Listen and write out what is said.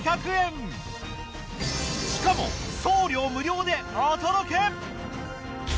しかも送料無料でお届け！